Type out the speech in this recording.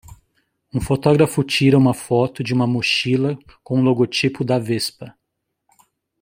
Um fotógrafo tira uma foto de uma mochila com um logotipo da Vespa.